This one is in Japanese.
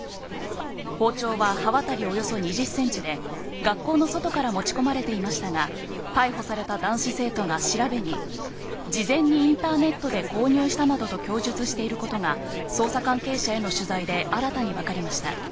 包丁は刃渡りおよそ２０ｃｍで学校の外から持ち込まれていましたが、逮捕された男子生徒が調べに、事前にインターネットで購入したなどと供述していることが捜査関係者への取材で新たに分かりました。